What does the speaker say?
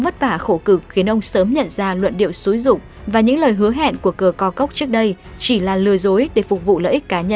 các bạn hãy đăng ký kênh để ủng hộ kênh của mình nhé